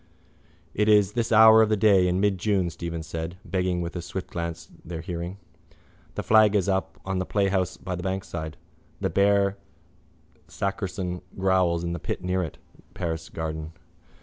—It is this hour of a day in mid June, Stephen said, begging with a swift glance their hearing. The flag is up on the playhouse by the bankside. The bear Sackerson growls in the pit near it, Paris garden.